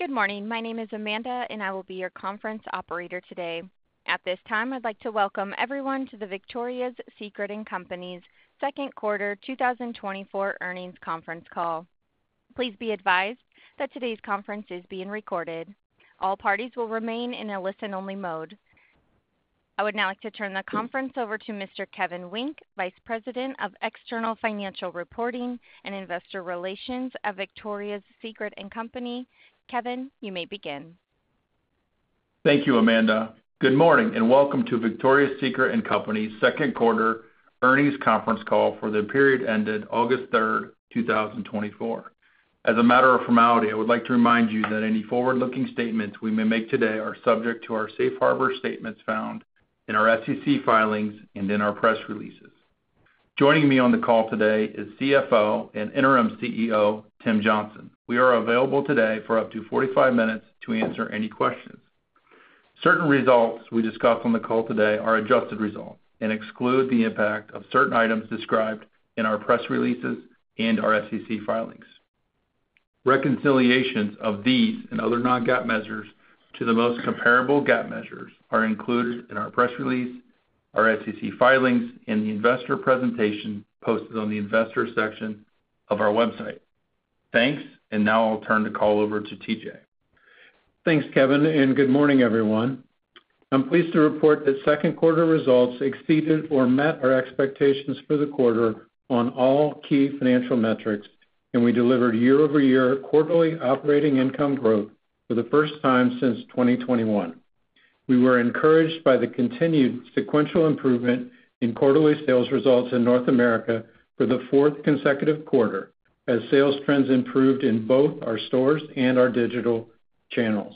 Good morning. My name is Amanda, and I will be your conference operator today. At this time, I'd like to welcome everyone to the Victoria's Secret & Co.'s second quarter, 2024 earnings conference call. Please be advised that today's conference is being recorded. All parties will remain in a listen-only mode. I would now like to turn the conference over to Mr. Kevin Wynk, Vice President of External Financial Reporting and Investor Relations at Victoria's Secret & Co. Kevin, you may begin. Thank you, Amanda. Good morning, and welcome to Victoria's Secret & Co.'s second quarter earnings conference call for the period ended August 3rd, 2024. As a matter of formality, I would like to remind you that any forward-looking statements we may make today are subject to our safe harbor statements found in our SEC filings and in our press releases. Joining me on the call today is CFO and Interim CEO, Tim Johnson. We are available today for up to forty-five minutes to answer any questions. Certain results we discuss on the call today are adjusted results and exclude the impact of certain items described in our press releases and our SEC filings. Reconciliations of these and other non-GAAP measures to the most comparable GAAP measures are included in our press release, our SEC filings, and the investor presentation posted on the Investors section of our website. Thanks, and now I'll turn the call over to TJ. Thanks, Kevin, and good morning, everyone. I'm pleased to report that second quarter results exceeded or met our expectations for the quarter on all key financial metrics, and we delivered year-over-year quarterly operating income growth for the first time since 2021. We were encouraged by the continued sequential improvement in quarterly sales results in North America for the fourth consecutive quarter, as sales trends improved in both our stores and our digital channels.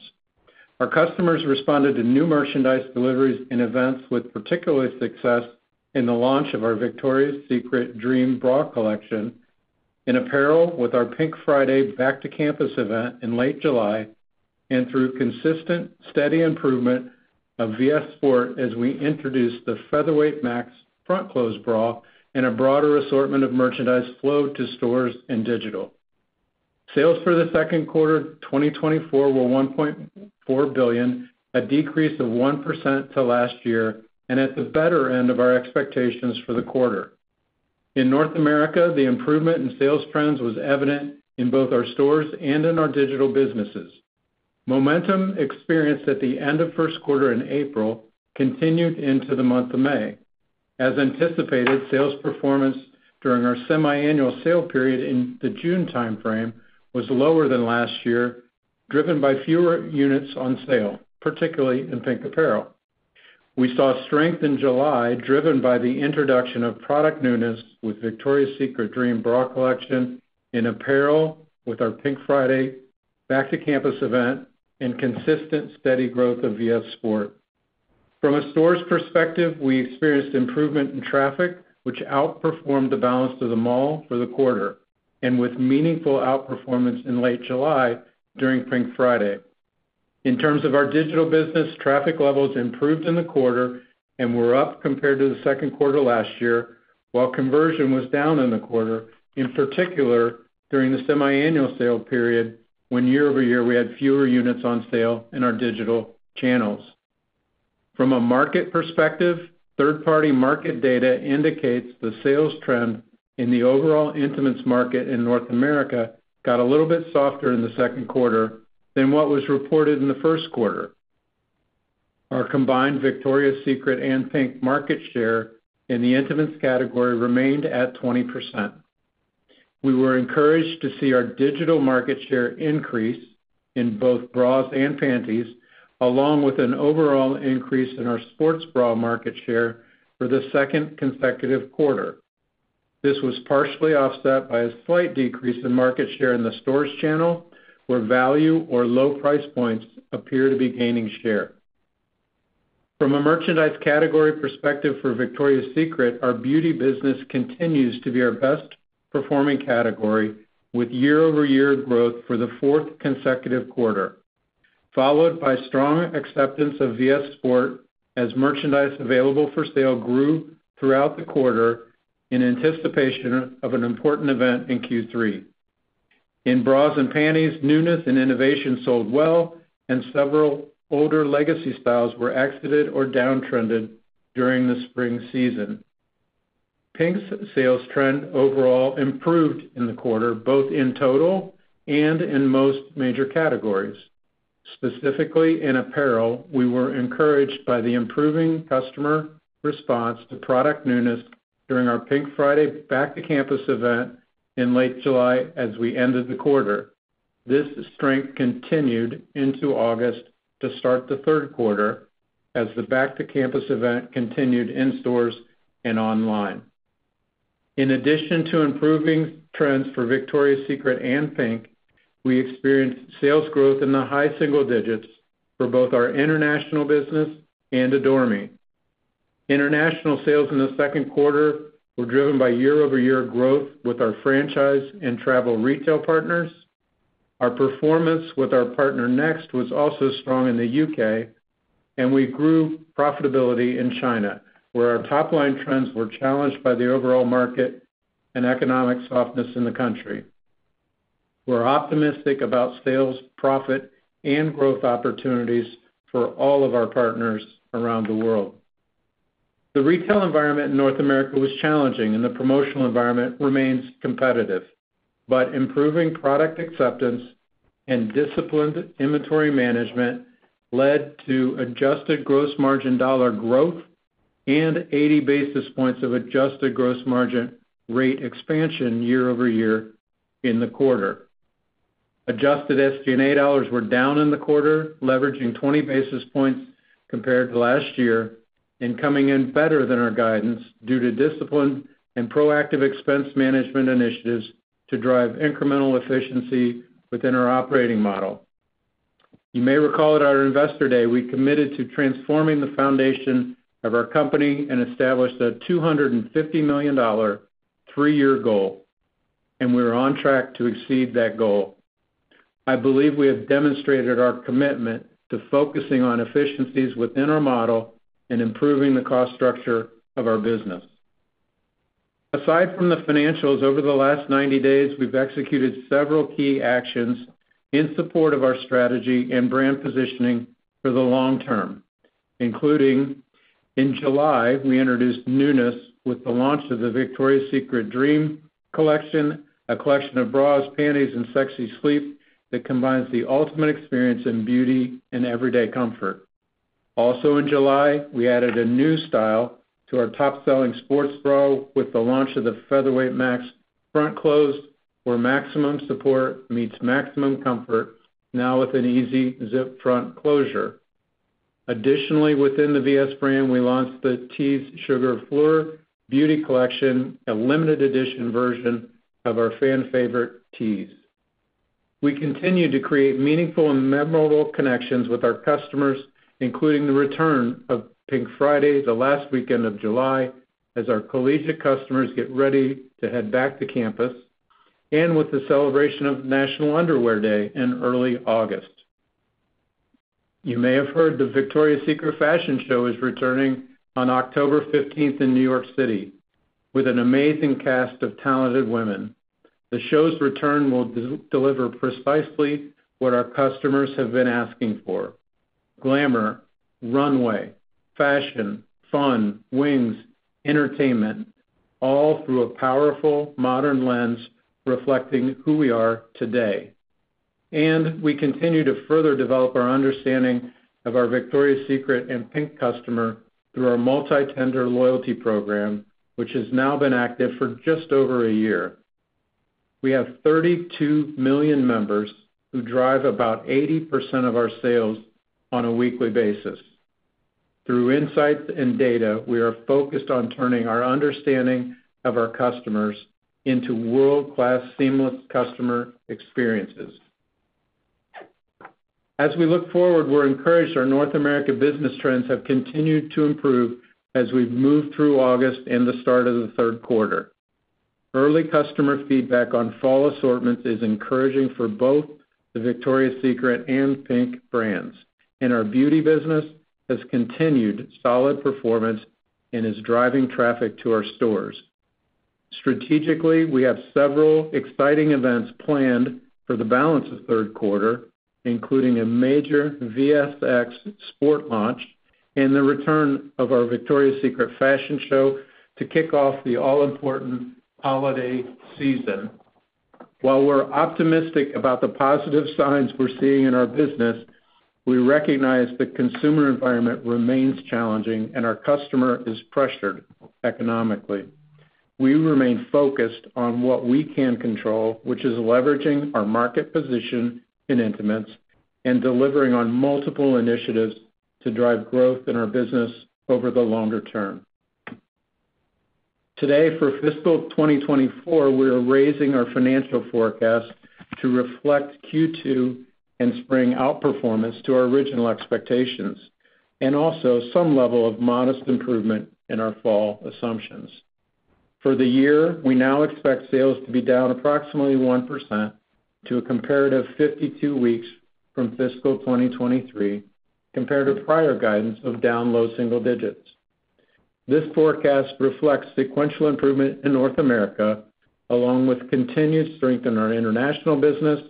Our customers responded to new merchandise deliveries and events with particular success in the launch of our Victoria's Secret Dream Bra Collection, in apparel with our PINK Friday Back to Campus event in late July, and through consistent, steady improvement of VS Sport as we introduced the Featherweight Max Front Close Bra and a broader assortment of merchandise flow to stores and digital. Sales for the second quarter 2024 were $1.4 billion, a decrease of 1% to last year, and at the better end of our expectations for the quarter. In North America, the improvement in sales trends was evident in both our stores and in our digital businesses. Momentum experienced at the end of first quarter in April continued into the month of May. As anticipated, sales performance during our Semi-Annual Sale period in the June time frame was lower than last year, driven by fewer units on sale, particularly in PINK apparel. We saw strength in July, driven by the introduction of product newness with Victoria's Secret Dream Bra Collection in apparel with our PINK Friday Back to Campus event and consistent, steady growth of VS Sport. From a store's perspective, we experienced improvement in traffic, which outperformed the balance of the mall for the quarter and with meaningful outperformance in late July during PINK Friday. In terms of our digital business, traffic levels improved in the quarter and were up compared to the second quarter last year, while conversion was down in the quarter, in particular, during the Semiannual Sale period, when year-over-year, we had fewer units on sale in our digital channels. From a market perspective, third-party market data indicates the sales trend in the overall intimates market in North America got a little bit softer in the second quarter than what was reported in the first quarter. Our combined Victoria's Secret and PINK market share in the intimates category remained at 20%. We were encouraged to see our digital market share increase in both bras and panties, along with an overall increase in our sports bra market share for the second consecutive quarter. This was partially offset by a slight decrease in market share in the stores channel, where value or low-price points appear to be gaining share. From a merchandise category perspective for Victoria's Secret, our beauty business continues to be our best-performing category, with year-over-year growth for the fourth consecutive quarter, followed by strong acceptance of VS Sport as merchandise available for sale grew throughout the quarter in anticipation of an important event in Q3. In bras and panties, newness and innovation sold well, and several older legacy styles were exited or down trended during the spring season. PINK's sales trend overall improved in the quarter, both in total and in most major categories. Specifically, in apparel, we were encouraged by the improving customer response to product newness during our PINK Friday Back to Campus event in late July as we ended the quarter. This strength continued into August to start the third quarter as the Back to Campus event continued in stores and online. In addition to improving trends for Victoria's Secret and PINK, we experienced sales growth in the high single digits for both our international business and Adore Me. International sales in the second quarter were driven by year-over-year growth with our franchise and travel retail partners. Our performance with our partner, Next, was also strong in the U.K., and we grew profitability in China, where our top-line trends were challenged by the overall market and economic softness in the country. We're optimistic about sales, profit, and growth opportunities for all of our partners around the world. The retail environment in North America was challenging, and the promotional environment remains competitive, but improving product acceptance and disciplined inventory management led to adjusted gross margin dollar growth and eighty basis points of adjusted gross margin rate expansion year-over-year in the quarter. Adjusted SG&A dollars were down in the quarter, leveraging twenty basis points compared to last year and coming in better than our guidance due to discipline and proactive expense management initiatives to drive incremental efficiency within our operating model. You may recall at our Investor Day, we committed to transforming the foundation of our company and established a $250 million three-year goal, and we are on track to exceed that goal. I believe we have demonstrated our commitment to focusing on efficiencies within our model and improving the cost structure of our business. Aside from the financials, over the last ninety days, we've executed several key actions in support of our strategy and brand positioning for the long term, including, in July, we introduced newness with the launch of the Victoria's Secret Dream Bra Collection, a collection of bras, panties, and sexy sleepwear that combines the ultimate experience in beauty and everyday comfort. Also, in July, we added a new style to our top-selling sports bra with the launch of the Featherweight Max Front Close Bra, where maximum support meets maximum comfort, now with an easy zip-front closure. Additionally, within the VS brand, we launched the Tease Sugar Fleur beauty collection, a limited edition version of our fan favorite, Tease. We continue to create meaningful and memorable connections with our customers, including the return of PINK Friday, the last weekend of July, as our collegiate customers get ready to head back to campus, and with the celebration of National Underwear Day in early August. You may have heard the Victoria's Secret Fashion Show is returning on October 15 in New York City with an amazing cast of talented women. The show's return will deliver precisely what our customers have been asking for: glamour, runway, fashion, fun, wings, entertainment, all through a powerful, modern lens reflecting who we are today, and we continue to further develop our understanding of our Victoria's Secret and PINK customer through our multi-tender loyalty program, which has now been active for just over a year. We have 32 million members who drive about 80% of our sales on a weekly basis. Through insights and data, we are focused on turning our understanding of our customers into world-class, seamless customer experiences. As we look forward, we're encouraged our North America business trends have continued to improve as we've moved through August and the start of the third quarter. Early customer feedback on fall assortments is encouraging for both the Victoria's Secret and PINK brands, and our beauty business has continued solid performance and is driving traffic to our stores. Strategically, we have several exciting events planned for the balance of third quarter, including a major VSX sport launch and the return of our Victoria's Secret Fashion Show to kick off the all-important holiday season. While we're optimistic about the positive signs we're seeing in our business, we recognize the consumer environment remains challenging, and our customer is pressured economically. We remain focused on what we can control, which is leveraging our market position in intimates and delivering on multiple initiatives to drive growth in our business over the longer term. Today, for fiscal 2024, we are raising our financial forecast to reflect Q2 and spring outperformance to our original expectations, and also some level of modest improvement in our fall assumptions. For the year, we now expect sales to be down approximately 1% to a comparative 52 weeks from fiscal 2023, compared to prior guidance of down low single digits. This forecast reflects sequential improvement in North America, along with continued strength in our international business,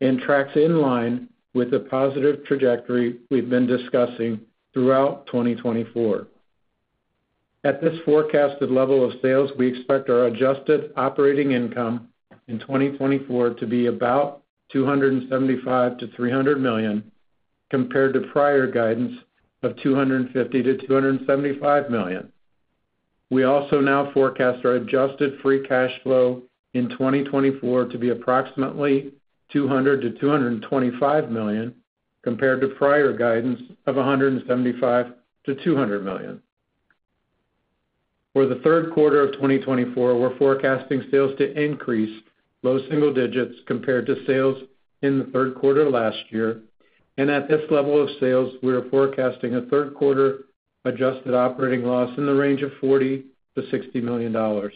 and tracks in line with the positive trajectory we've been discussing throughout 2024. At this forecasted level of sales, we expect our adjusted operating income in 2024 to be about $275 million-$300 million, compared to prior guidance of $250 million-$275 million. We also now forecast our adjusted free cash flow in 2024 to be approximately $200 million-$225 million, compared to prior guidance of $175 million-$200 million. For the third quarter of 2024, we're forecasting sales to increase low single digits compared to sales in the third quarter of last year. And at this level of sales, we are forecasting a third quarter adjusted operating loss in the range of $40 million-$60 million.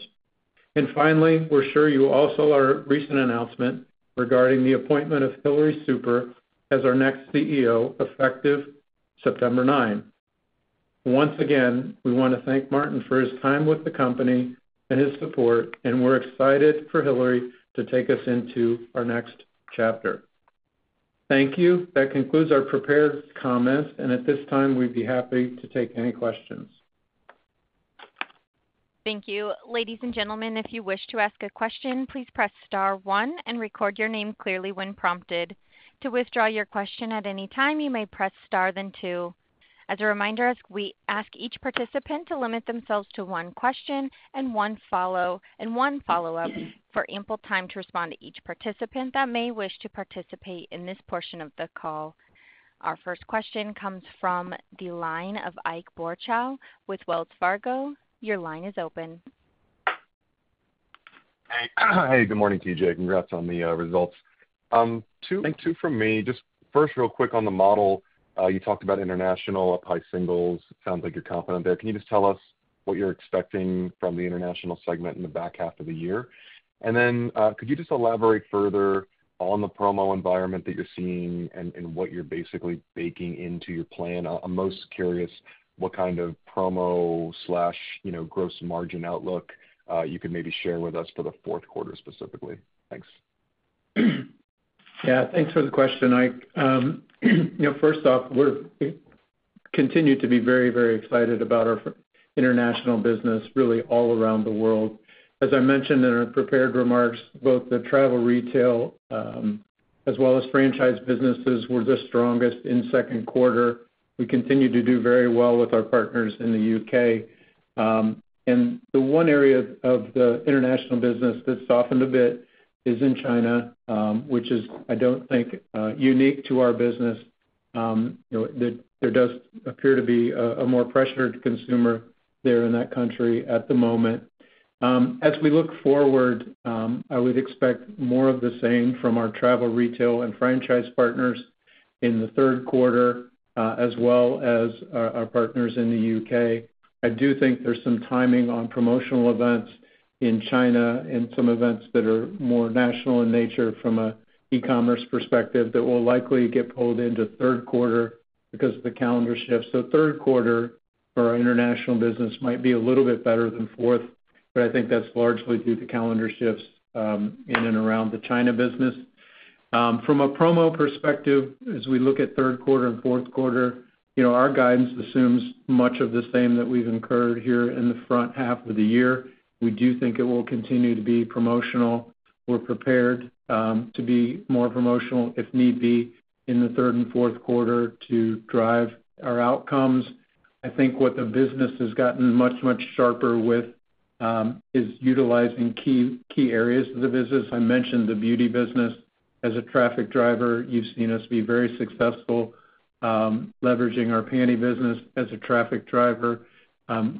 And finally, we're sure you also saw our recent announcement regarding the appointment of Hillary Super as our next CEO, effective September 9. Once again, we want to thank Martin for his time with the company and his support, and we're excited for Hilary to take us into our next chapter. Thank you. That concludes our prepared comments, and at this time, we'd be happy to take any questions. Thank you. Ladies and gentlemen, if you wish to ask a question, please press star one and record your name clearly when prompted. To withdraw your question at any time, you may press star then two. As a reminder, we ask each participant to limit themselves to one question and one follow-up for ample time to respond to each participant that may wish to participate in this portion of the call. Our first question comes from the line of Ike Boruchow with Wells Fargo. Your line is open. Hey, good morning, TJ. Congrats on the results. Two- Thanks. - two for me. Just first, real quick on the model. You talked about international up high single digits. Sounds like you're confident there. Can you just tell us what you're expecting from the international segment in the back half of the year? And then, could you just elaborate further on the promo environment that you're seeing and, and what you're basically baking into your plan? I'm most curious what kind of promo slash, you know, gross margin outlook, you could maybe share with us for the fourth quarter, specifically. Thanks. Yeah, thanks for the question, Ike. You know, first off, we continue to be very, very excited about our international business, really all around the world. As I mentioned in our prepared remarks, both the travel retail, as well as franchise businesses were the strongest in second quarter. We continue to do very well with our partners in the U.K. And the one area of the international business that softened a bit is in China, which is, I don't think, unique to our business. You know, there does appear to be a more pressured consumer there in that country at the moment. As we look forward, I would expect more of the same from our travel retail and franchise partners in the third quarter, as well as our partners in the U.K. I do think there's some timing on promotional events in China and some events that are more national in nature from a e-commerce perspective, that will likely get pulled into third quarter because of the calendar shift, so third quarter for our international business might be a little bit better than fourth, but I think that's largely due to calendar shifts in and around the China business. From a promo perspective, as we look at third quarter and fourth quarter, you know, our guidance assumes much of the same that we've incurred here in the front half of the year. We do think it will continue to be promotional. We're prepared to be more promotional, if need be, in the third and fourth quarter to drive our outcomes. I think what the business has gotten much, much sharper with is utilizing key, key areas of the business. I mentioned the beauty business as a traffic driver. You've seen us be very successful leveraging our panty business as a traffic driver.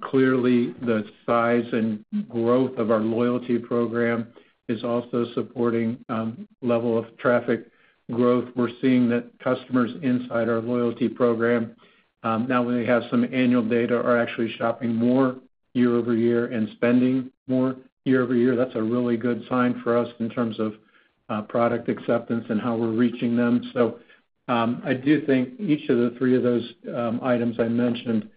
Clearly, the size and growth of our loyalty program is also supporting level of traffic growth. We're seeing that customers inside our loyalty program, now that we have some annual data, are actually shopping more year-over-year and spending more year-over-year. That's a really good sign for us in terms of product acceptance and how we're reaching them, so I do think each of the three of those items I mentioned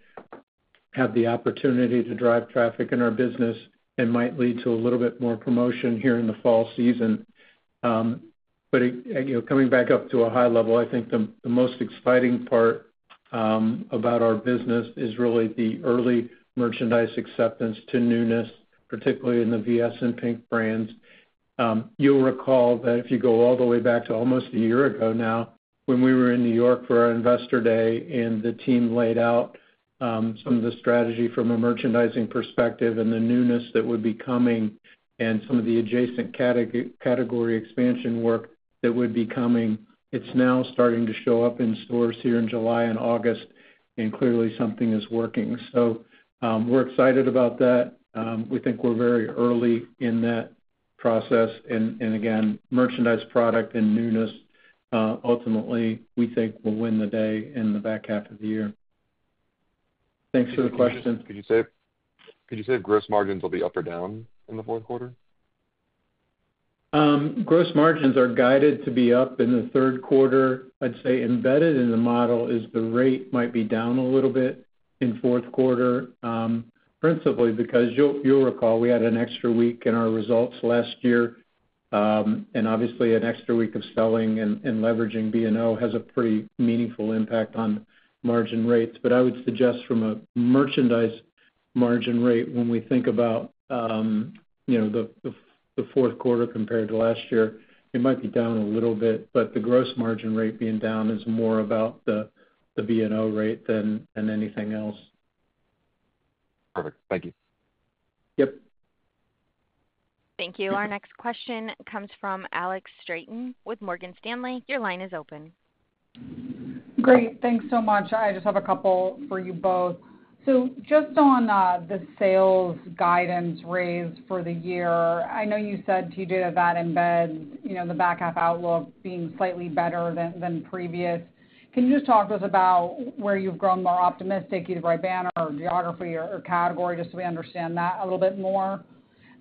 have the opportunity to drive traffic in our business and might lead to a little bit more promotion here in the fall season. But it, you know, coming back up to a high level, I think the most exciting part about our business is really the early merchandise acceptance to newness, particularly in the VS and PINK brands. You'll recall that if you go all the way back to almost a year ago now, when we were in New York for our Investor Day, and the team laid out some of the strategy from a merchandising perspective and the newness that would be coming and some of the adjacent category expansion work that would be coming, it's now starting to show up in stores here in July and August, and clearly, something is working. We're excited about that. We think we're very early in that process, and again, merchandise, product and newness, ultimately, we think will win the day in the back half of the year. Thanks for the question. Could you say if gross margins will be up or down in the fourth quarter? Gross margins are guided to be up in the third quarter. I'd say embedded in the model is the rate might be down a little bit in fourth quarter, principally because you'll recall we had an extra week in our results last year, and obviously, an extra week of selling and leveraging B&O has a pretty meaningful impact on margin rates. But I would suggest from a merchandise margin rate, when we think about, you know, the fourth quarter compared to last year, it might be down a little bit, but the gross margin rate being down is more about the B&O rate than anything else. Perfect. Thank you. Yep. Thank you. Our next question comes from Alex Straton with Morgan Stanley. Your line is open. Great. Thanks so much. I just have a couple for you both. So just on the sales guidance raise for the year, I know you said, TJ, that that embeds, you know, the back half outlook being slightly better than previous. Can you just talk to us about where you've grown more optimistic, either by banner or geography or category, just so we understand that a little bit more?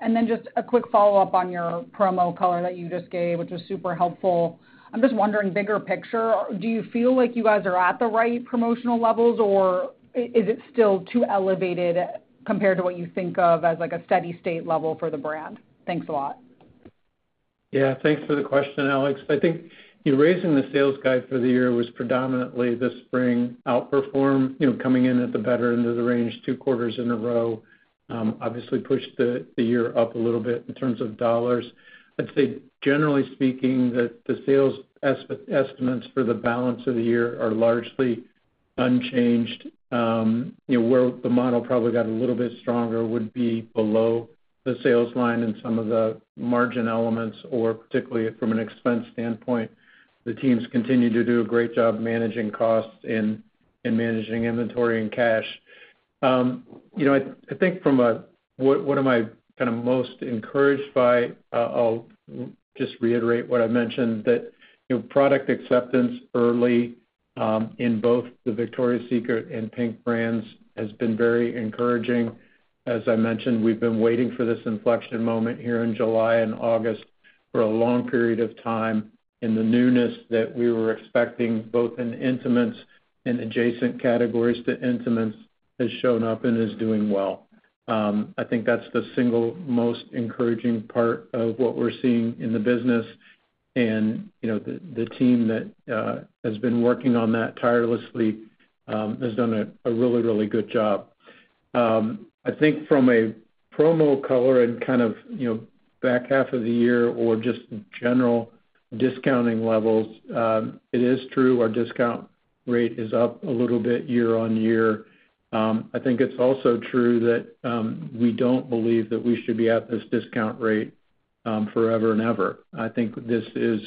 And then just a quick follow-up on your promo color that you just gave, which was super helpful. I'm just wondering, bigger picture, do you feel like you guys are at the right promotional levels, or is it still too elevated compared to what you think of as, like, a steady state level for the brand? Thanks a lot. Yeah, thanks for the question, Alex. I think you raising the sales guide for the year was predominantly the spring outperform, you know, coming in at the better end of the range, two quarters in a row, obviously pushed the year up a little bit in terms of dollars. I'd say, generally speaking, that the sales estimates for the balance of the year are largely unchanged. You know, where the model probably got a little bit stronger would be below the sales line and some of the margin elements, or particularly from an expense standpoint, the teams continue to do a great job managing costs and managing inventory and cash. You know, I think from a, what am I kind of most encouraged by, I'll just reiterate what I mentioned, that, you know, product acceptance early in both the Victoria's Secret and PINK brands has been very encouraging. As I mentioned, we've been waiting for this inflection moment here in July and August for a long period of time, and the newness that we were expecting, both in intimates and adjacent categories to intimates, has shown up and is doing well. I think that's the single most encouraging part of what we're seeing in the business. And, you know, the team that has been working on that tirelessly has done a really, really good job. I think from a promo color and kind of, you know, back half of the year or just general discounting levels, it is true our discount rate is up a little bit year on year. I think it's also true that, we don't believe that we should be at this discount rate, forever and ever. I think this is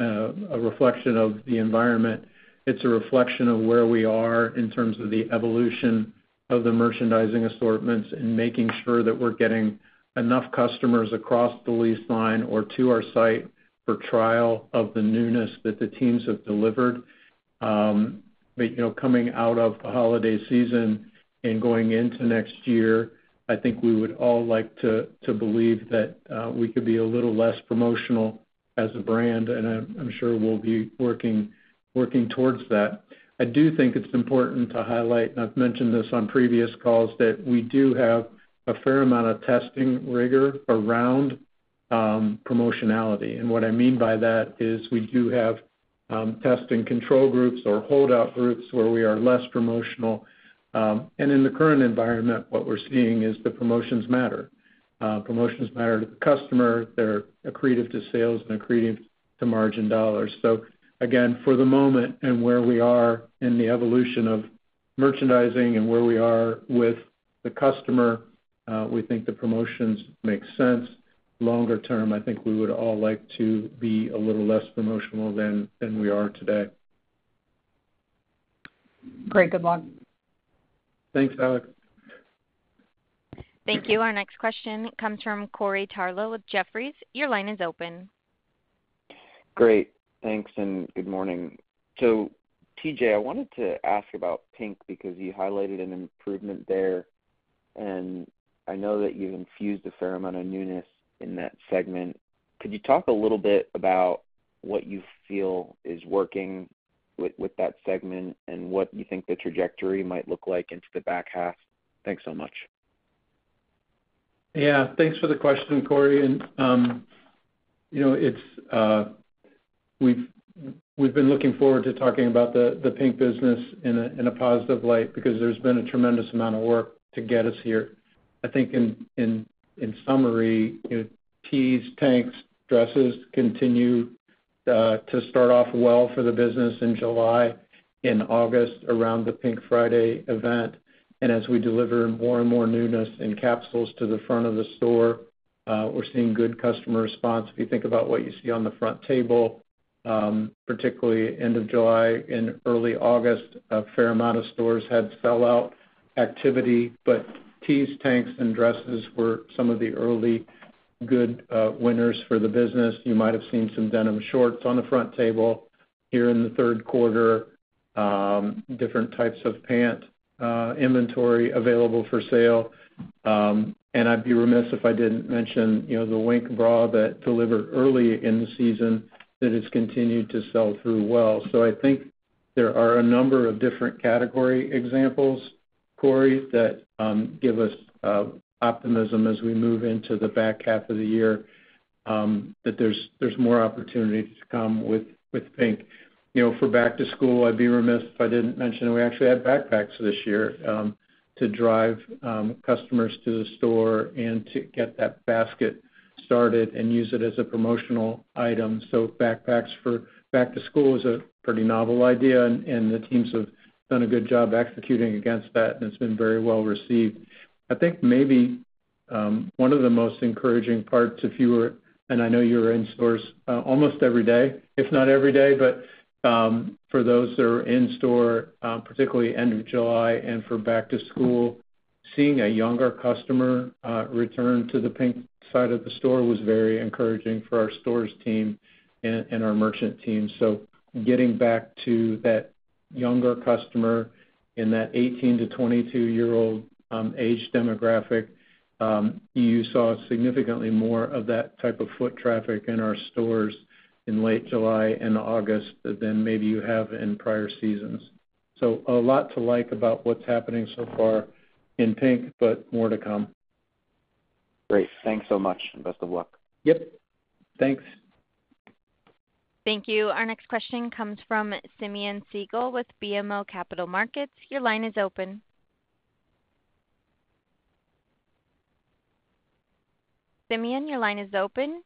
a reflection of the environment. It's a reflection of where we are in terms of the evolution of the merchandising assortments and making sure that we're getting enough customers across the lease line or to our site for trial of the newness that the teams have delivered. But, you know, coming out of the holiday season and going into next year, I think we would all like to believe that we could be a little less promotional as a brand, and I'm sure we'll be working towards that. I do think it's important to highlight, and I've mentioned this on previous calls, that we do have a fair amount of testing rigor around promotionality. And what I mean by that is we do have testing control groups or holdout groups where we are less promotional. And in the current environment, what we're seeing is the promotions matter. Promotions matter to the customer, they're accretive to sales and accretive to margin dollars. So again, for the moment and where we are in the evolution of merchandising and where we are with the customer, we think the promotions make sense. Longer term, I think we would all like to be a little less promotional than we are today. Great. Good luck. Thanks, Alex. Thank you. Our next question comes from Corey Tarlowe with Jefferies. Your line is open. Great, thanks, and good morning. So TJ, I wanted to ask about PINK, because you highlighted an improvement there, and I know that you infused a fair amount of newness in that segment. Could you talk a little bit about what you feel is working with that segment and what you think the trajectory might look like into the back half? Thanks so much. Yeah, thanks for the question, Corey. And you know, it's we've been looking forward to talking about the PINK business in a positive light because there's been a tremendous amount of work to get us here. I think in summary, you know, tees, tanks, dresses continue to start off well for the business in July and August, around the PINK Friday event. And as we deliver more and more newness and capsules to the front of the store, we're seeing good customer response. If you think about what you see on the front table, particularly end of July and early August, a fair amount of stores had sellout activity, but tees, tanks, and dresses were some of the early good winners for the business. You might have seen some denim shorts on the front table here in the third quarter, different types of pant inventory available for sale. I'd be remiss if I didn't mention, you know, the Wink Bra that delivered early in the season that has continued to sell through well. I think there are a number of different category examples, Corey, that give us optimism as we move into the back half of the year, that there's more opportunity to come with PINK. You know, for back to school, I'd be remiss if I didn't mention we actually had backpacks this year, to drive customers to the store and to get that basket started and use it as a promotional item. So backpacks for back to school is a pretty novel idea, and the teams have done a good job executing against that, and it's been very well received. I think maybe one of the most encouraging parts, and I know you're in stores almost every day, if not every day, but for those that are in store, particularly end of July and for back to school, seeing a younger customer return to the PINK side of the store was very encouraging for our stores team and our merchant team. So getting back to that younger customer in that 18-22-year-old age demographic. You saw significantly more of that type of foot traffic in our stores in late July and August than maybe you have in prior seasons. So a lot to like about what's happening so far in PINK, but more to come. Great. Thanks so much, and best of luck. Yep. Thanks. Thank you. Our next question comes from Simeon Siegel with BMO Capital Markets. Your line is open. Simeon, your line is open.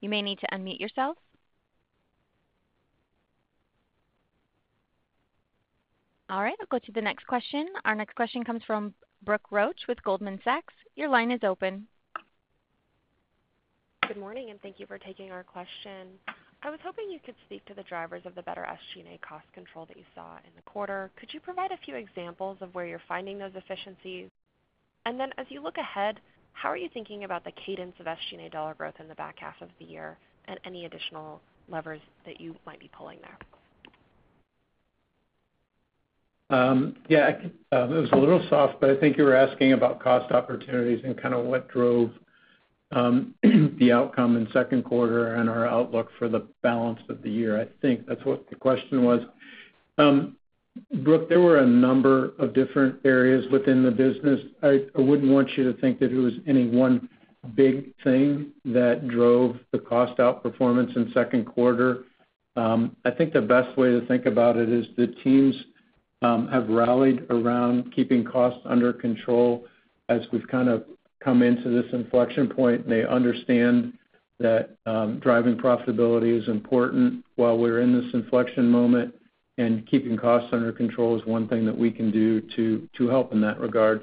You may need to unmute yourself. All right, I'll go to the next question. Our next question comes from Brooke Roach with Goldman Sachs. Your line is open. Good morning, and thank you for taking our question. I was hoping you could speak to the drivers of the better SG&A cost control that you saw in the quarter. Could you provide a few examples of where you're finding those efficiencies? And then as you look ahead, how are you thinking about the cadence of SG&A dollar growth in the back half of the year and any additional levers that you might be pulling there? Yeah, it was a little soft, but I think you were asking about cost opportunities and kind of what drove the outcome in second quarter and our outlook for the balance of the year. I think that's what the question was. Brooke, there were a number of different areas within the business. I wouldn't want you to think that it was any one big thing that drove the cost outperformance in second quarter. I think the best way to think about it is the teams have rallied around keeping costs under control as we've kind of come into this inflection point. They understand that driving profitability is important while we're in this inflection moment, and keeping costs under control is one thing that we can do to help in that regard.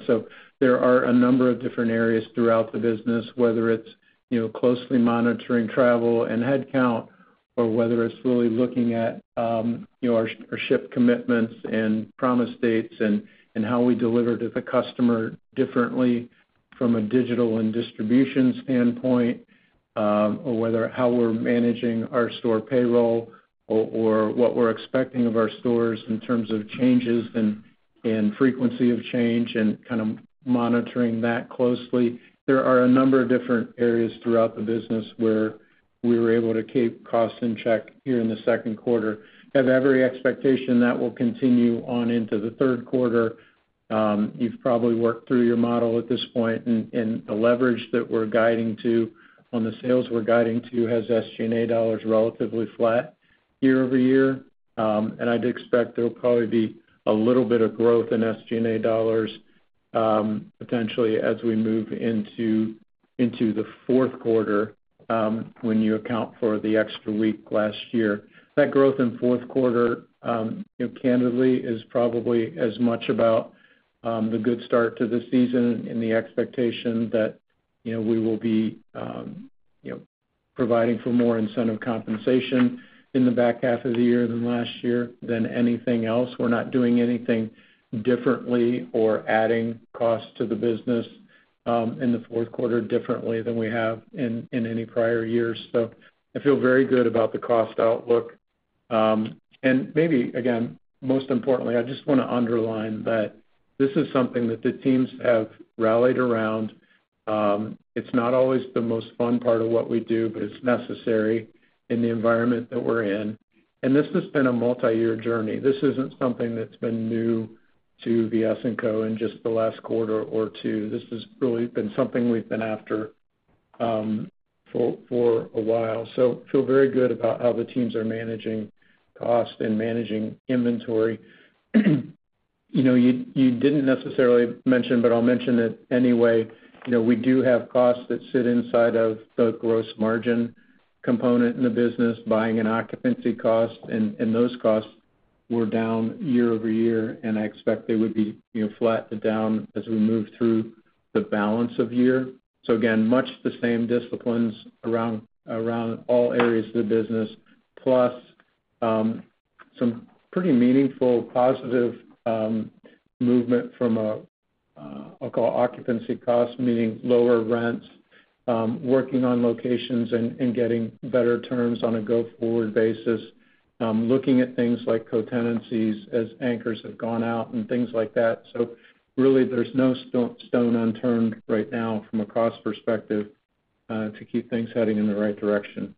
There are a number of different areas throughout the business, whether it's, you know, closely monitoring travel and headcount, or whether it's really looking at, you know, our ship commitments and promise dates and how we deliver to the customer differently from a digital and distribution standpoint, or whether how we're managing our store payroll or what we're expecting of our stores in terms of changes and frequency of change and kind of monitoring that closely. There are a number of different areas throughout the business where we were able to keep costs in check here in the second quarter. Have every expectation that will continue on into the third quarter. You've probably worked through your model at this point, and the leverage that we're guiding to, on the sales we're guiding to, has SG&A dollars relatively flat year-over-year. And I'd expect there'll probably be a little bit of growth in SG&A dollars, potentially as we move into the fourth quarter, when you account for the extra week last year. That growth in fourth quarter, you know, candidly, is probably as much about the good start to the season and the expectation that, you know, we will be, you know, providing for more incentive compensation in the back half of the year than last year than anything else. We're not doing anything differently or adding costs to the business, in the fourth quarter differently than we have in any prior years. So I feel very good about the cost outlook. And maybe, again, most importantly, I just want to underline that this is something that the teams have rallied around. It's not always the most fun part of what we do, but it's necessary in the environment that we're in. And this has been a multi-year journey. This isn't something that's been new to VS & Co. in just the last quarter or two. This has really been something we've been after for a while. So feel very good about how the teams are managing cost and managing inventory. You know, you didn't necessarily mention, but I'll mention it anyway. You know, we do have costs that sit inside of the gross margin component in the business, buying and occupancy costs, and those costs were down year-over-year, and I expect they would be, you know, flat to down as we move through the balance of year. So again, much the same disciplines around all areas of the business, plus some pretty meaningful positive movement from a I'll call occupancy cost, meaning lower rents, working on locations and getting better terms on a go-forward basis, looking at things like co-tenancies as anchors have gone out and things like that. So really, there's no stone unturned right now from a cost perspective to keep things heading in the right direction.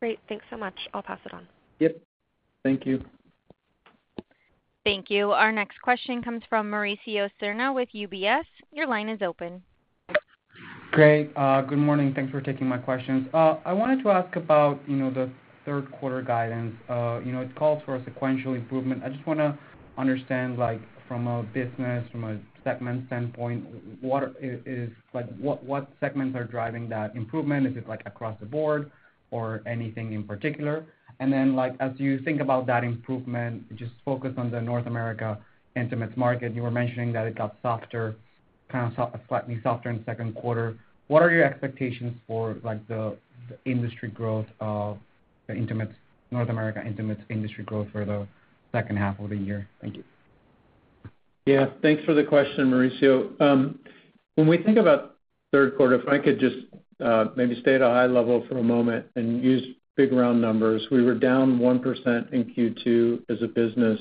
Great. Thanks so much. I'll pass it on. Yep. Thank you. Thank you. Our next question comes from Mauricio Serna with UBS. Your line is open. Great. Good morning. Thanks for taking my questions. I wanted to ask about, you know, the third quarter guidance. You know, it calls for a sequential improvement. I just wanna understand, like from a business, from a segment standpoint, what segments are driving that improvement? Is it, like, across the board or anything in particular? And then, like, as you think about that improvement, just focus on the North America intimates market. You were mentioning that it got softer, slightly softer in the second quarter. What are your expectations for, like, the industry growth of the North America intimates industry growth for the second half of the year? Thank you.... Yeah, thanks for the question, Mauricio. When we think about third quarter, if I could just maybe stay at a high level for a moment and use big round numbers. We were down 1% in Q2 as a business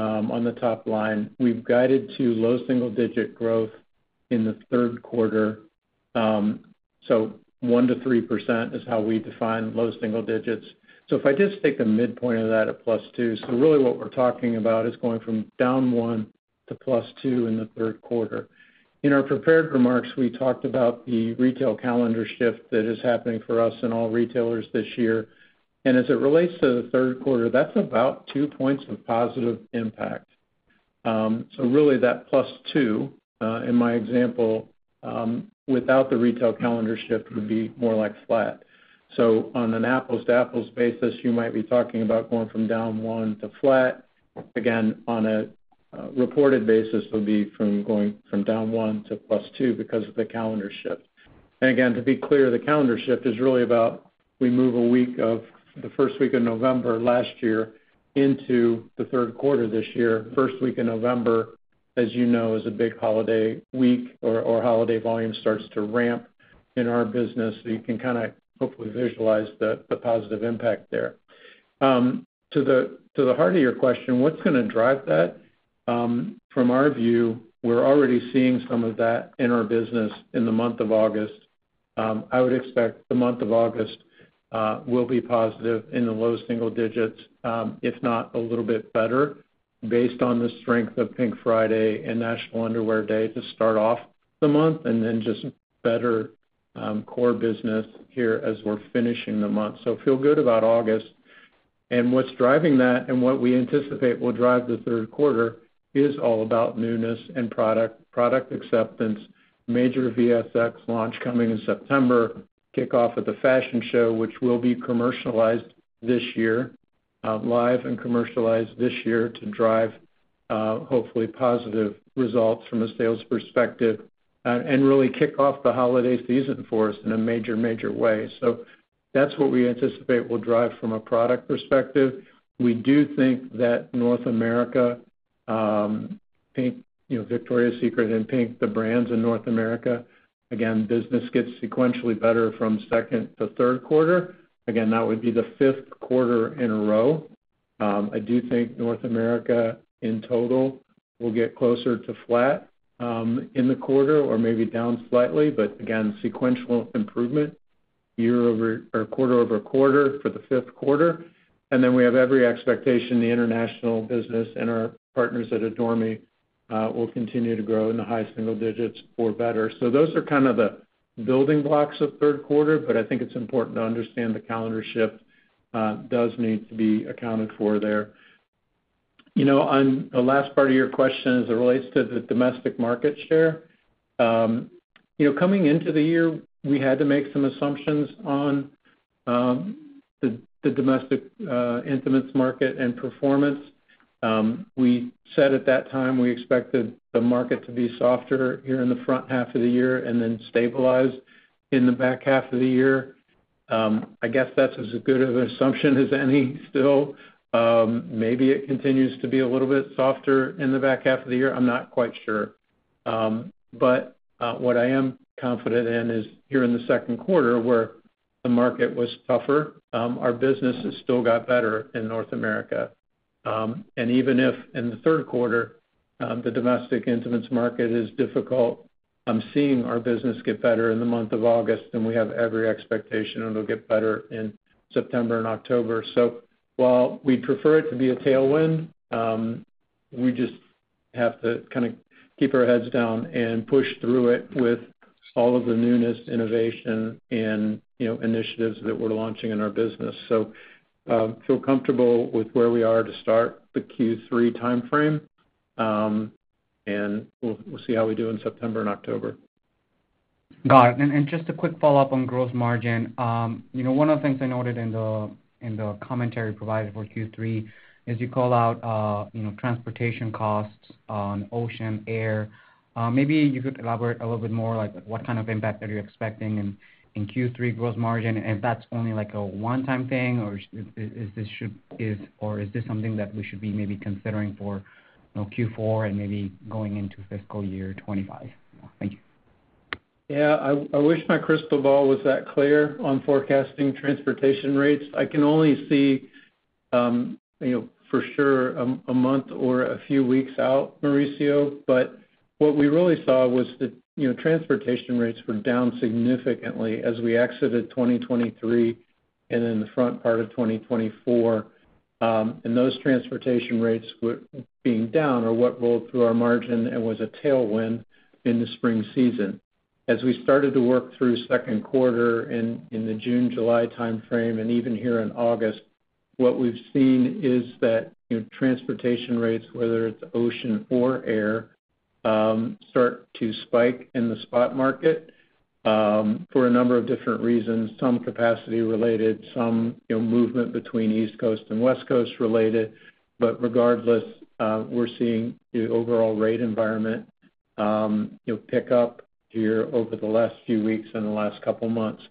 on the top line. We've guided to low single digit growth in the third quarter. So 1% to 3% is how we define low single digits. So if I just take the midpoint of that at plus two, so really what we're talking about is going from down 1% to +2% in the third quarter. In our prepared remarks, we talked about the retail calendar shift that is happening for us and all retailers this year, and as it relates to the third quarter, that's about two points of positive impact. Really, that plus two in my example, without the retail calendar shift, would be more like flat. On an apples-to-apples basis, you might be talking about going from down one to flat. Again, on a reported basis, would be going from down one to plus two because of the calendar shift. Again, to be clear, the calendar shift is really about we move the first week of November last year into the third quarter this year. First week in November, as you know, is a big holiday week or holiday volume starts to ramp in our business. You can kinda hopefully visualize the positive impact there. To the heart of your question, what's gonna drive that? From our view, we're already seeing some of that in our business in the month of August. I would expect the month of August will be positive in the low single digits, if not a little bit better, based on the strength of Pink Friday and National Underwear Day to start off the month, and then just better core business here as we're finishing the month. So feel good about August. What's driving that, and what we anticipate will drive the third quarter, is all about newness and product, product acceptance, major VSX launch coming in September, kickoff at the fashion show, which will be commercialized this year, live and commercialized this year, to drive, hopefully positive results from a sales perspective, and really kick off the holiday season for us in a major, major way. So that's what we anticipate will drive from a product perspective. We do think that North America, Pink, you know, Victoria's Secret and Pink, the brands in North America, again, business gets sequentially better from second to third quarter. Again, that would be the fifth quarter in a row. I do think North America, in total, will get closer to flat, in the quarter or maybe down slightly, but again, sequential improvement or quarter over quarter for the fifth quarter. And then we have every expectation the international business and our partners at Adore Me will continue to grow in the high single digits or better. So those are kind of the building blocks of third quarter, but I think it's important to understand the calendar shift does need to be accounted for there. You know, on the last part of your question as it relates to the domestic market share, you know, coming into the year, we had to make some assumptions on the domestic intimates market and performance. We said at that time, we expected the market to be softer here in the front half of the year and then stabilize in the back half of the year. I guess that's as good of an assumption as any still. Maybe it continues to be a little bit softer in the back half of the year. I'm not quite sure. But what I am confident in is here in the second quarter, where the market was tougher, our business has still got better in North America. And even if in the third quarter, the domestic intimates market is difficult, I'm seeing our business get better in the month of August, and we have every expectation it'll get better in September and October. So while we'd prefer it to be a tailwind, we just have to kinda keep our heads down and push through it with all of the newness, innovation and, you know, initiatives that we're launching in our business. So, feel comfortable with where we are to start the Q3 timeframe, and we'll see how we do in September and October. Got it, and just a quick follow-up on gross margin. You know, one of the things I noted in the commentary provided for Q3 is you call out, you know, transportation costs on ocean, air. Maybe you could elaborate a little bit more, like what kind of impact are you expecting in Q3 gross margin, and if that's only like a one-time thing, or is this something that we should be maybe considering for, you know, Q4 and maybe going into fiscal year 2025? Thank you. Yeah, I wish my crystal ball was that clear on forecasting transportation rates. I can only see, you know, for sure, a month or a few weeks out, Mauricio. But what we really saw was that, you know, transportation rates were down significantly as we exited 2023 and in the front part of 2024. And those transportation rates were being down are what rolled through our margin and was a tailwind in the spring season. As we started to work through second quarter in the June, July timeframe, and even here in August, what we've seen is that, you know, transportation rates, whether it's ocean or air, start to spike in the spot market, for a number of different reasons, some capacity related, some, you know, movement between East Coast and West Coast related. But regardless, we're seeing the overall rate environment... you know, pick up here over the last few weeks and the last couple months.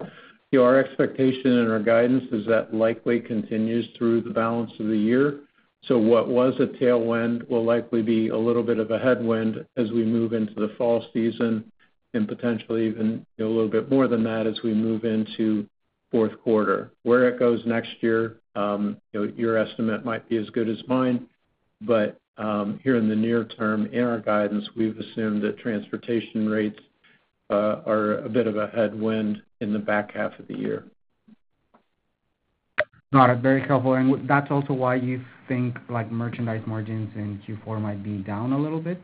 Our expectation and our guidance is that likely continues through the balance of the year. So what was a tailwind will likely be a little bit of a headwind as we move into the fall season and potentially even, you know, a little bit more than that as we move into fourth quarter. Where it goes next year, you know, your estimate might be as good as mine, but, here in the near term, in our guidance, we've assumed that transportation rates are a bit of a headwind in the back half of the year. Got it. Very helpful. And that's also why you think, like, merchandise margins in Q4 might be down a little bit?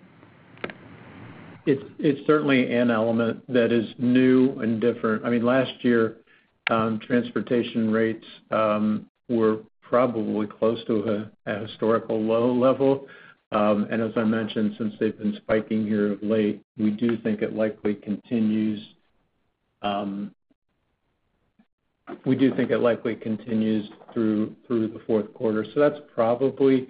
It's certainly an element that is new and different. I mean, last year, transportation rates were probably close to a historical low level. And as I mentioned, since they've been spiking here of late, we do think it likely continues through the fourth quarter. So that's probably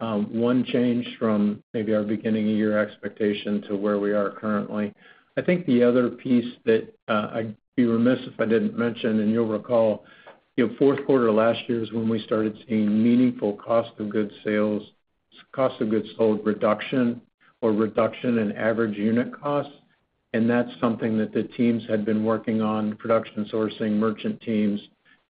one change from maybe our beginning of year expectation to where we are currently. I think the other piece that I'd be remiss if I didn't mention, and you'll recall, you know, fourth quarter last year is when we started seeing meaningful cost of goods sold reduction or reduction in average unit costs. And that's something that the teams had been working on, production, sourcing, merchant teams,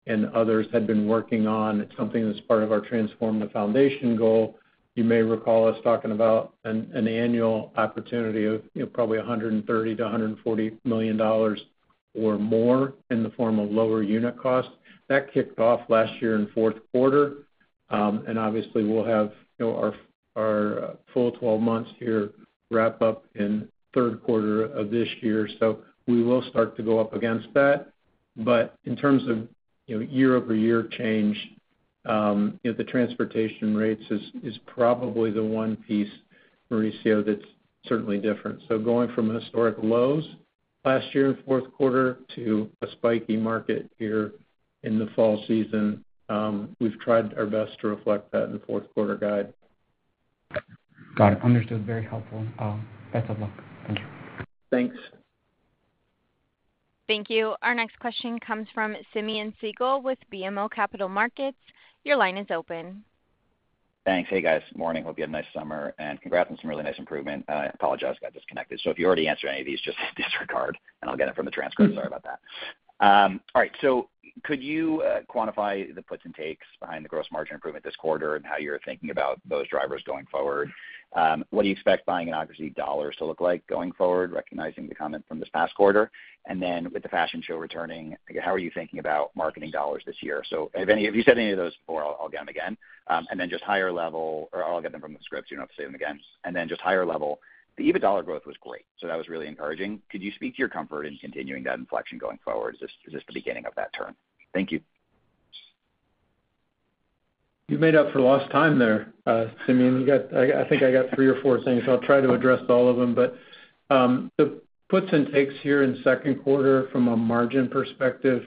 and others had been working on. It's something that's part of our Transform the Foundation goal. You may recall us talking about an annual opportunity of, you know, probably $130 million-$140 million or more in the form of lower unit costs. That kicked off last year in fourth quarter. And obviously, we'll have, you know, our full 12 months here wrap up in third quarter of this year. So we will start to go up against that. But in terms of, you know, year-over-year change, you know, the transportation rates is probably the one piece, Mauricio, that's certainly different. So going from historic lows last year in fourth quarter to a spiky market here in the fall season, we've tried our best to reflect that in the fourth quarter guide. Got it. Understood. Very helpful. Best of luck. Thank you. Thanks. Thank you. Our next question comes from Simeon Siegel with BMO Capital Markets. Your line is open. Thanks. Hey, guys. Morning. Hope you had a nice summer, and congrats on some really nice improvement. I apologize, I got disconnected. So if you already answered any of these, just disregard, and I'll get it from the transcript. Sorry about that. All right, so could you quantify the puts and takes behind the gross margin improvement this quarter and how you're thinking about those drivers going forward? What do you expect buying and occupancy dollars to look like going forward, recognizing the comment from this past quarter? And then with the fashion show returning, how are you thinking about marketing dollars this year? So if you said any of those before, I'll get them again. And then just higher level or I'll get them from the scripts. You don't have to say them again. And then just higher level, the EBIT dollar growth was great, so that was really encouraging. Could you speak to your comfort in continuing that inflection going forward, or is this the beginning of that turn? Thank you. You made up for lost time there, Simeon. You got. I think I got three or four things. I'll try to address all of them, but the puts and takes here in second quarter from a margin perspective,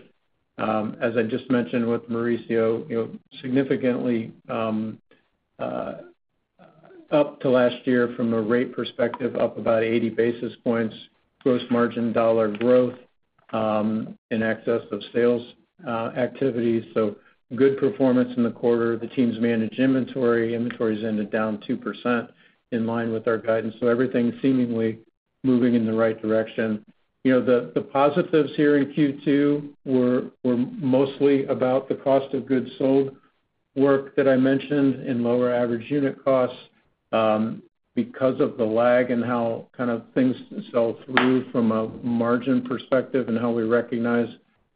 as I just mentioned with Mauricio, you know, significantly, up to last year from a rate perspective, up about eighty basis points, gross margin dollar growth, in excess of sales, activities, so good performance in the quarter. The teams managed inventory. Inventories ended down 2% in line with our guidance, so everything seemingly moving in the right direction. You know, the positives here in Q2 were mostly about the cost of goods sold work that I mentioned in lower average unit costs, because of the lag and how kind of things sell through from a margin perspective and how we recognize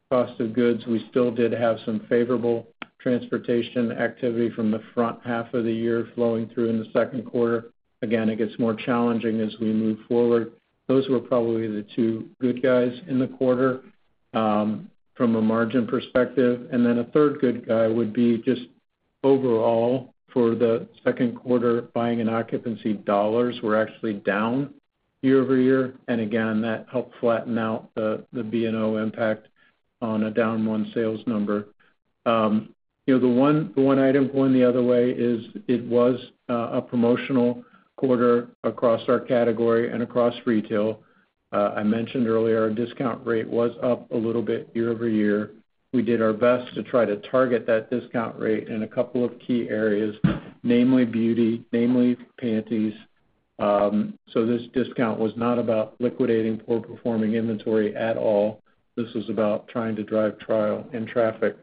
cost of goods. We still did have some favorable transportation activity from the front half of the year flowing through in the second quarter. Again, it gets more challenging as we move forward. Those were probably the two good guys in the quarter, from a margin perspective. And then a third good guy would be just overall, for the second quarter, buying and occupancy dollars were actually down year-over-year. And again, that helped flatten out the B&O impact on a down one sales number. You know, the one item going the other way is it was a promotional quarter across our category and across retail. I mentioned earlier, our discount rate was up a little bit year-over-year. We did our best to try to target that discount rate in a couple of key areas, namely beauty, namely panties. So this discount was not about liquidating poor performing inventory at all. This was about trying to drive trial and traffic.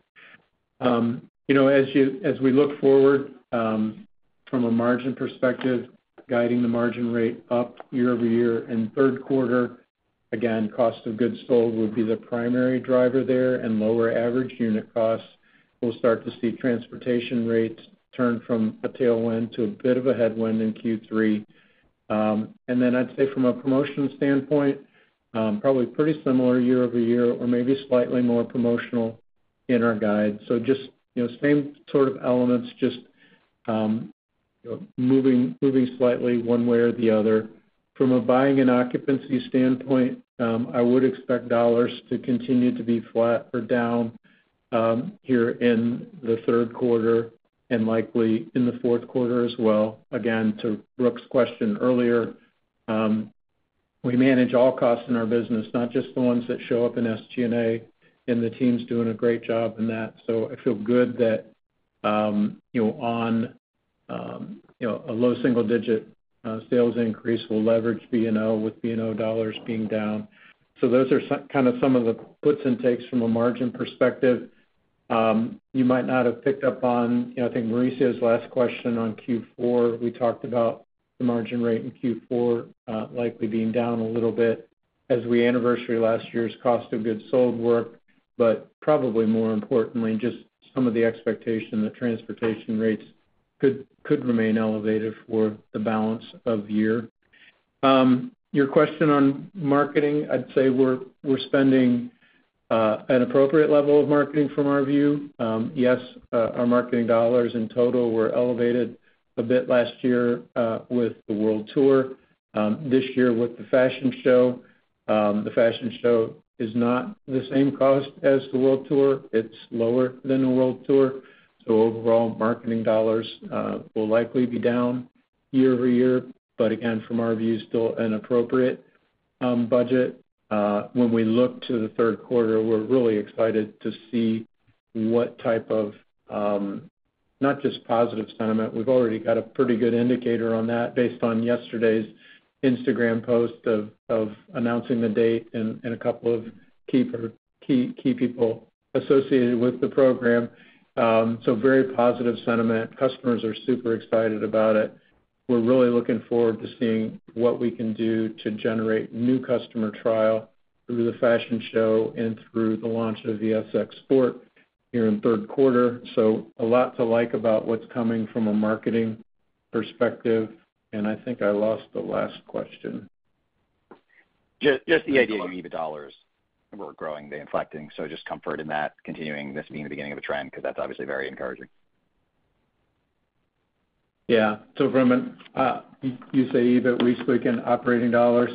You know, as we look forward, from a margin perspective, guiding the margin rate up year-over-year in third quarter, again, cost of goods sold will be the primary driver there and lower average unit costs. We'll start to see transportation rates turn from a tailwind to a bit of a headwind in Q3. And then I'd say from a promotion standpoint, probably pretty similar year-over-year or maybe slightly more promotional in our guide. So just, you know, same sort of elements, just, you know, moving slightly one way or the other. From a Buying and Occupancy standpoint, I would expect dollars to continue to be flat or down here in the third quarter and likely in the fourth quarter as well. Again, to Brooke's question earlier, we manage all costs in our business, not just the ones that show up in SG&A, and the team's doing a great job in that. So I feel good that, you know, on, you know, a low single-digit sales increase will leverage B&O with BNO dollars being down. So those are kind of some of the puts and takes from a margin perspective. You might not have picked up on, you know, I think Mauricio's last question on Q4. We talked about the margin rate in Q4, likely being down a little bit as we anniversary last year's cost of goods sold work, but probably more importantly, just some of the expectation that transportation rates could remain elevated for the balance of the year. Your question on marketing, I'd say we're spending an appropriate level of marketing from our view. Yes, our marketing dollars in total were elevated a bit last year with the world tour. This year with the fashion show, the fashion show is not the same cost as the world tour. It's lower than the world tour, so overall, marketing dollars will likely be down year-over-year, but again, from our view, still an appropriate budget. When we look to the third quarter, we're really excited to see what type of not just positive sentiment. We've already got a pretty good indicator on that based on yesterday's Instagram post of announcing the date and a couple of key people associated with the program. So very positive sentiment. Customers are super excited about it. We're really looking forward to seeing what we can do to generate new customer trial through the fashion show and through the launch of the VSX Sport here in third quarter. So a lot to like about what's coming from a marketing perspective, and I think I lost the last question. Just the idea of EBITDA dollars were growing, they inflecting, so just comfort in that continuing, this being the beginning of a trend, because that's obviously very encouraging. Yeah. So from an, you say EBIT, we speak in operating dollars.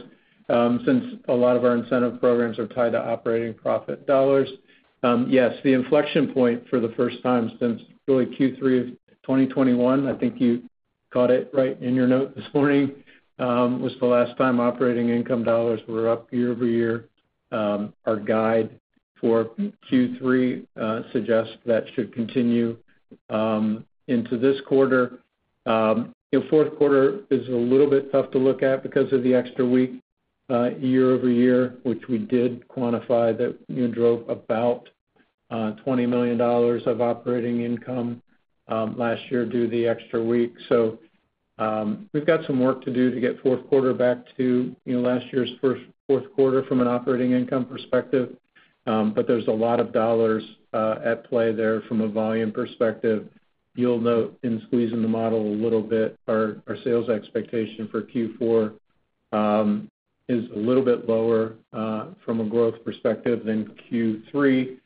Since a lot of our incentive programs are tied to operating profit dollars, yes, the inflection point for the first time since really Q3 of 2021, I think you caught it right in your note this morning, was the last time operating income dollars were up year-over-year. Our guide for Q3 suggests that should continue into this quarter. You know, fourth quarter is a little bit tough to look at because of the extra week year-over-year, which we did quantify, that, you know, drove about $20 million of operating income last year, due to the extra week. So, we've got some work to do to get fourth quarter back to, you know, last year's fourth quarter from an operating income perspective. But there's a lot of dollars at play there from a volume perspective. You'll note, in squeezing the model a little bit, our sales expectation for Q4 is a little bit lower from a growth perspective than Q3.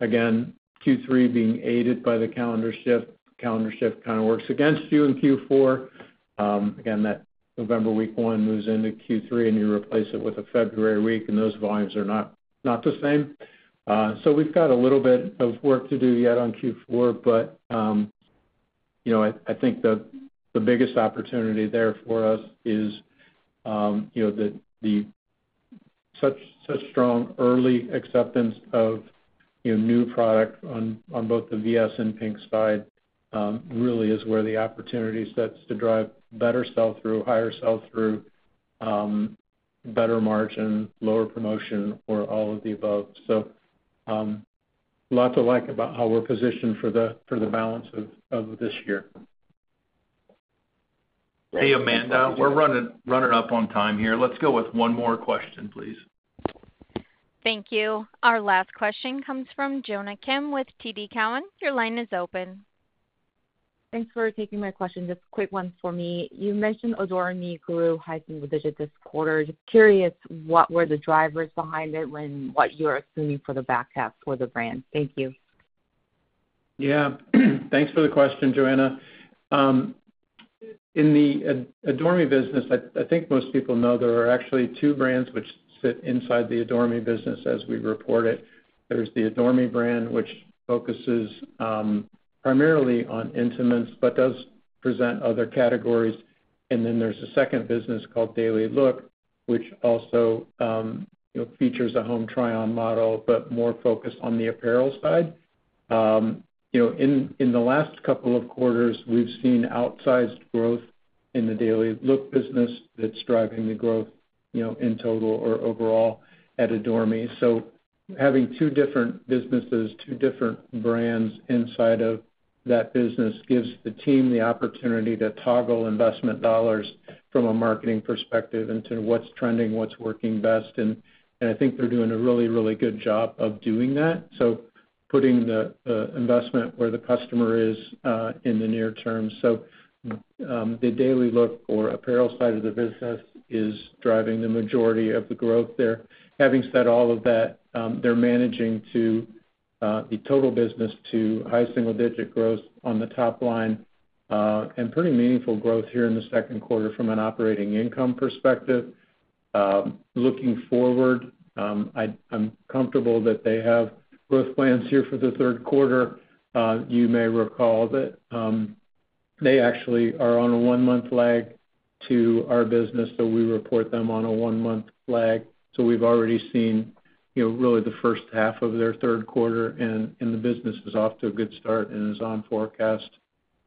Again, Q3 being aided by the calendar shift. Calendar shift kind of works against you in Q4. Again, that November week one moves into Q3, and you replace it with a February week, and those volumes are not the same. So we've got a little bit of work to do yet on Q4, but, you know, I think the biggest opportunity there for us is, you know, such strong early acceptance of, you know, new product on both the VS and PINK side, really is where the opportunity sets to drive better sell-through, higher sell-through, better margin, lower promotion, or all of the above. So, a lot to like about how we're positioned for the balance of this year. Hey, Amanda, we're running up on time here. Let's go with one more question, please. Thank you. Our last question comes from Jonna Kim with TD Cowen. Your line is open. Thanks for taking my question. Just a quick one for me. You mentioned Adore Me grew high single digit this quarter. Just curious, what were the drivers behind it and what you're assuming for the back half for the brand? Thank you. Yeah. Thanks for the question, Jonna. In the Adore Me business, I think most people know there are actually two brands which fit inside the Adore Me business as we report it. There's the Adore Me brand, which focuses primarily on intimates, but does present other categories. And then there's a second business called DailyLook, which also you know features a home try-on model, but more focused on the apparel side. You know, in the last couple of quarters, we've seen outsized growth in the DailyLook business that's driving the growth you know in total or overall at Adore Me. So having two different businesses, two different brands inside of that business, gives the team the opportunity to toggle investment dollars from a marketing perspective into what's trending, what's working best, and I think they're doing a really, really good job of doing that. So putting the investment where the customer is in the near term. So the DailyLook or apparel side of the business is driving the majority of the growth there. Having said all of that, they're managing the total business to high single digit growth on the top line and pretty meaningful growth here in the second quarter from an operating income perspective. Looking forward, I'm comfortable that they have growth plans here for the third quarter. You may recall that they actually are on a one-month lag to our business, so we report them on a one-month lag, so we've already seen, you know, really the first half of their third quarter, and the business is off to a good start and is on forecast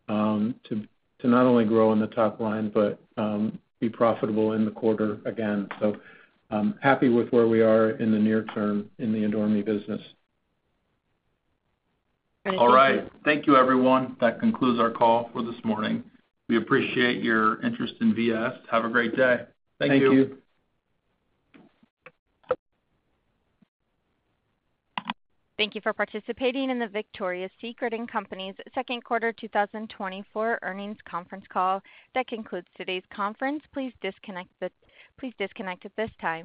to not only grow in the top line, but be profitable in the quarter again, so I'm happy with where we are in the near term in the Adore Me business. Great. Thank you. All right. Thank you, everyone. That concludes our call for this morning. We appreciate your interest in VS. Have a great day. Thank you. Thank you. Thank you for participating in the Victoria's Secret & Co.'s second quarter 2024 earnings conference call. That concludes today's conference. Please disconnect at this time.